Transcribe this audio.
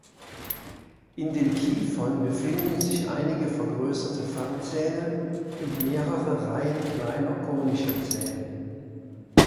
In den Kiefern befinden sich einige vergrößerte Fangzähne und mehrere Reihen kleiner konischer Zähne.